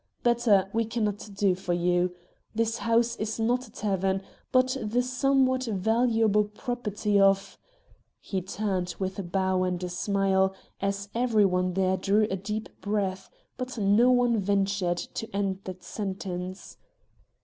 Better, we can not do for you. This house is not a tavern, but the somewhat valuable property of " He turned with a bow and smile, as every one there drew a deep breath; but no one ventured to end that sentence.